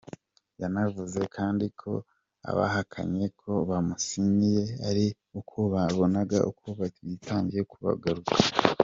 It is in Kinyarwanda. Yanavuze kandi ko abahakanye ko bamusinyiye ari uko babonaga ko bitangiye kubagaruka.